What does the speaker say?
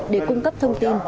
để cung cấp thông tin